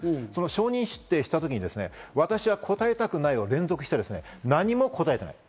証人出廷した時に私は答えたくないを連続して何も答えていない。